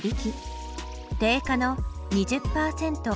定価の２０％割引。